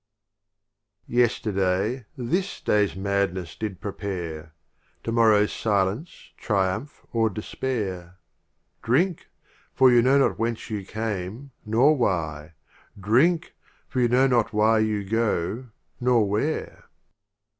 LXXIV. Yesterday This Day's Madness did prepare ; To morrow's Silence, Triumph, or Despair : Drink! for you know not whence you came, nor why : Drink ! for you know not why you go, nor where.